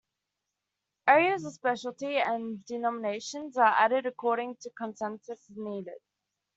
Areas of specialty and denominations are added according to consensus, as needed.